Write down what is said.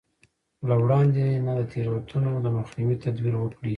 له وړاندې نه د تېروتنو د مخنيوي تدبير وکړي.